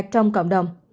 trong cộng đồng